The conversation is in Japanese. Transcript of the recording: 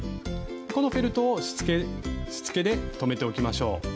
このフェルトをしつけで留めておきましょう。